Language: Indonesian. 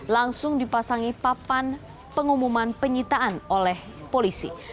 langsung dipasangi papan pengumuman penyitaan oleh polisi